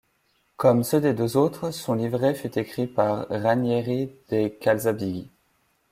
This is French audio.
Comme ceux des deux autres, son livret fut écrit par Ranieri de' Calzabigi.